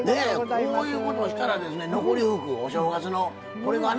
こういうことをしたら残り福お正月のこれがね